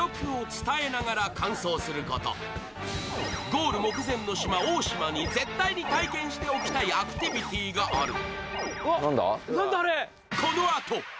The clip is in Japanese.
ゴール目前の島、大島に絶対体験しておきたいアクティビティーがある。